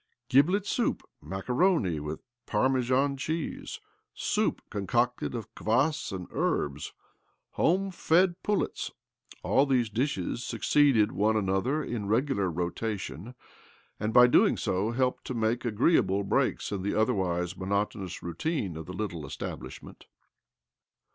Giblet soup, macaroni with Parmesan cheese, soup con cocted of kvas's and herbs, home fed pullets —all these dishes succeeded one another in regular rotation, and by so doing helped to make agreeable breaks in the otherwise monotonous routine of the little establish ment.